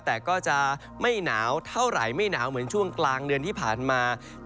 แต่ก็จะไม่หนาวเท่าไหร่ไม่หนาวเหมือนช่วงกลางเดือนที่ผ่านมา